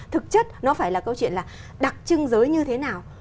thực chất nó phải là câu chuyện là đặc trưng giới như thế nào